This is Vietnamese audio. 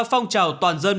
phong trào toàn dân